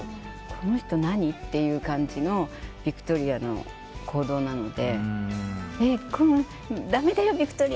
この人、何？っていう感じのヴィクトリアの行動なので。